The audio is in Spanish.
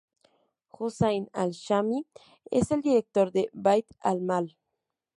Husayn al-Shami es el director de Bayt al-Mal.